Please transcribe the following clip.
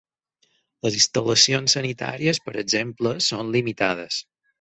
Les instal·lacions sanitàries, per exemple, són limitades.